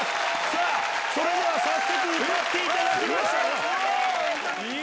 さあ、それでは早速歌っていただきましょう。